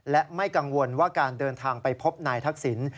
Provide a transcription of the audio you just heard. และไม่กังวลว่าการเดินทางไปพบนายทักษิณ